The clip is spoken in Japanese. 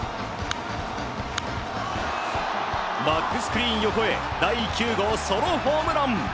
バックスクリーン横へ第９号ソロホームラン。